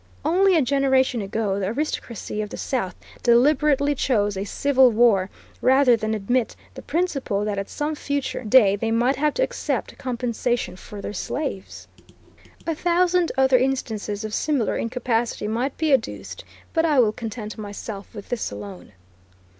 Only a generation ago the aristocracy of the South deliberately chose a civil war rather than admit the principle that at some future day they might have to accept compensation for their slaves. A thousand other instances of similar incapacity might be adduced, but I will content myself with this alone.